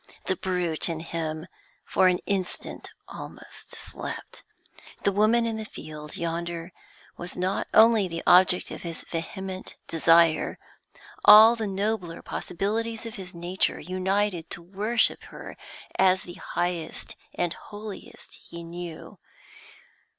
The brute in him for an instant almost slept. The woman in the field yonder was not only the object of his vehement desire; all the nobler possibilities of his nature united to worship her, as the highest and holiest he knew.